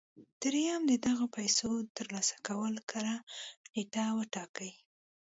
درېيم د دغو پيسو د ترلاسه کولو کره نېټه وټاکئ.